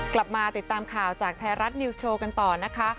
กลับมาติดตามข่าวจากไทยรัฐนิวส์โชว์กันต่อนะคะ